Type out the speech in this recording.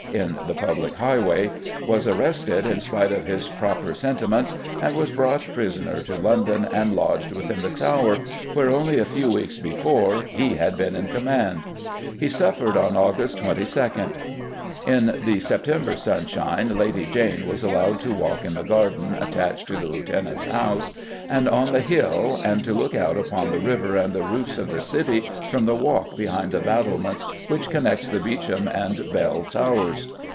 in the public highway, was arrested in spite of his proper sentiments and was brought prisoner to London and lodged within the Tower, where only a few weeks before he had been in command. He suffered on August 22. In the September sunshine Lady Jane was allowed to walk in the garden attached to the Lieutenant's house, "and on the hill," and to look out upon the river and the roofs of the city from the walk behind the battlements which connects the Beauchamp and Bell Towers.